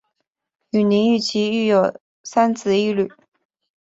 与林堉琪育有三子一女。